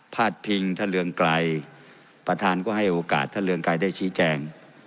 ดพิงท่านเรืองไกรประธานก็ให้โอกาสท่านเรืองไกรได้ชี้แจง